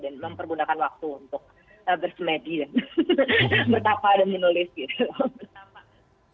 dan mempergunakan waktu untuk bersemedi bertapa dan menulis gitu